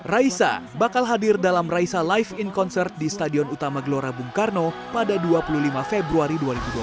raisa bakal hadir dalam raisa live in concert di stadion utama gelora bung karno pada dua puluh lima februari dua ribu dua puluh